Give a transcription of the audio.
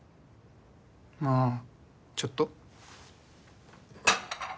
まあちょっと？